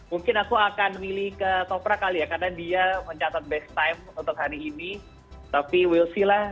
mungkin aku akan milih ke toprak kali ya karena dia mencatat best time untuk hari ini tapi whield see lah